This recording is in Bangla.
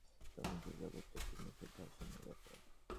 সমগ্র জগৎটি একটি নিখুঁত ভারসাম্যের ব্যাপার।